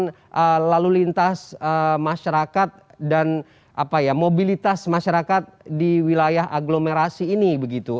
kemudian lalu lintas masyarakat dan mobilitas masyarakat di wilayah agglomerasi ini begitu